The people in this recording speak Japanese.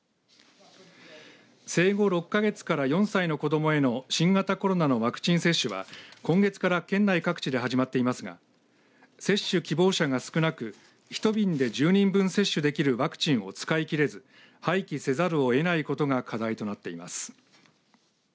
生後６か月から４歳の子どもへの新型コロナのワクチン接種は今月から県内各地で始まっていますが接種希望者が少なく１瓶で１０人分接種できるワクチンを使い切れず、廃棄せざるをえないことが課題となっています。